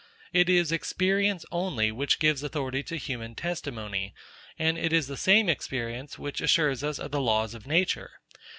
It is experience only, which gives authority to human testimony; and it is the same experience, which assures us of the laws of nature.